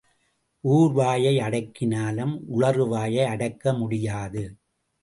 ஊர் வாயை அடக்கினாலும் உளறு வாயை அடக்க முடியாது.